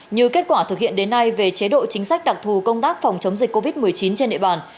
như kết quả thực hiện đến nay về chế độ chính sách đặc thù công tác phòng chống dịch covid một mươi chín trên địa bàn